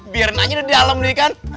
biarin aja udah di dalem nih kan